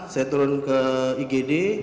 saya turun ke igd